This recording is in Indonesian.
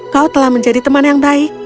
kau telah menjadi teman yang baik